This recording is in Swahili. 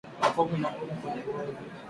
Makovu magumu kwenye ngozi